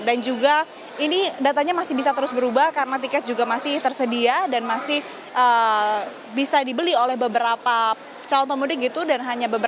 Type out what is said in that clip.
dan juga ini datanya masih bisa diperlihatkan